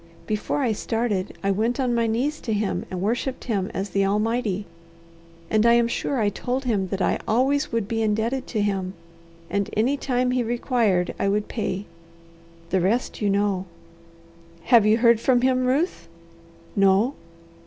Before I started I went on my knees to him and worshipped him as the Almighty, and I am sure I told him that I always would be indebted to him, and any time he required I would pay. The rest you know." "Have you heard from him, Ruth?" "No."